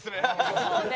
そうね。